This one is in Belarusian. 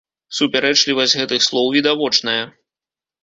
Супярэчлівасць гэтых слоў відавочная.